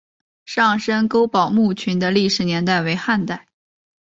上深沟堡墓群的历史年代为汉代。